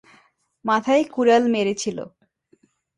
মাথায় কুড়াল মেরেছিল।